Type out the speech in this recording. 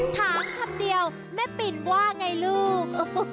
ถามคำเดียวแม่ปิ่นว่าไงลูก